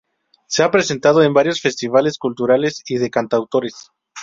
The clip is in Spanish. Se ha presentado en varios festivales culturales y de cantautores.